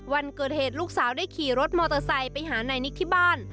วันเกิดเหตุลูกสาวได้ขี่รถมอเตอร์ไซค์ไปหานายนิกที่บ้าน